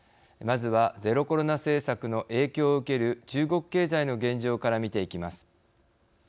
まずはゼロコロナ政策の影響を受ける中国経済の現状から見ていきます。